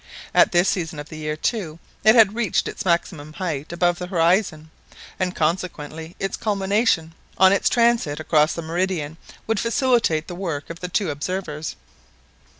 At this season of the year, too, it had reached its maximum height above the horizon; and consequently its culmination, on its transit across the meridian, would facilitate the work of the two observers.